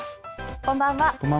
こんばんは。